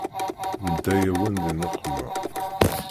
Nedda-yawen di nneqma.